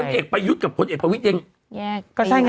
คนเอกไปหยุดกับคนเอกภาวิชิง